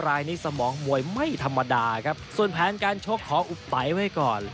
รายนี้สมองมวยไม่ธรรมดาครับส่วนแผนการชกขออุบไปไว้ก่อน